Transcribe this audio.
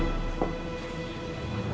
aku akan mencintai angel li